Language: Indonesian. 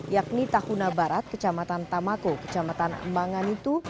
yakni tahuna barat kecamatan tamako kecamatan embangan itu